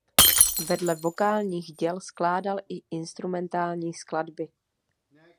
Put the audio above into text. Vedle vokálních děl skládal i instrumentální skladby.